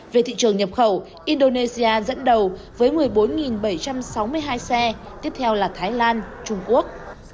về thị trường nhập khẩu indonesia dẫn đầu với một mươi bốn bảy trăm sáu mươi hai xe tiếp theo là thái lan trung quốc